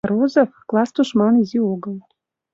Розов — класс тушман изи огыл.